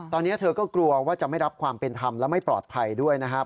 ตอนนี้เธอก็กลัวว่าจะไม่รับความเป็นธรรมและไม่ปลอดภัยด้วยนะครับ